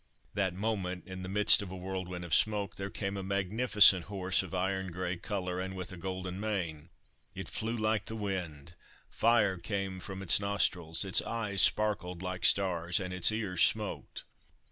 That moment, in the midst of a whirlwind of smoke, there came a magnificent horse of an iron grey colour, and with a golden mane. It flew like the wind. Fire came from its nostrils. Its eyes sparkled like stars, and its ears smoked.